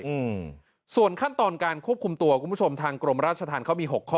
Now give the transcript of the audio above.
อืมส่วนขั้นตอนการควบคุมตัวคุณผู้ชมทางกรมราชธรรมเขามีหกข้อ